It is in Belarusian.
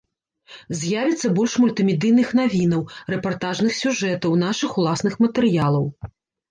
З'явіцца больш мультымедыйных навінаў, рэпартажных сюжэтаў, нашых уласных матэрыялаў.